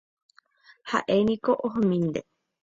Ha'éniko ohomínte.